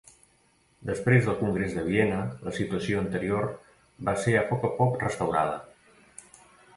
Després del Congrés de Viena, la situació anterior va ser a poc a poc restaurada.